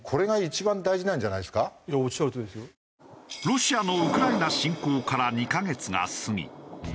ロシアのウクライナ侵攻から２カ月が過ぎ